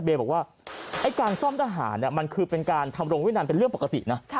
บอกว่าไอ้การซ่อมทหารมันคือเป็นการทำรงวินันเป็นเรื่องปกตินะ